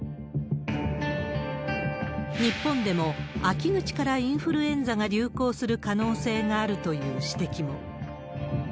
日本でも、秋口からインフルエンザが流行する可能性があるという指摘も。